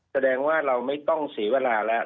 แสดงว่าเราไม่ต้องเสียเวลาแล้ว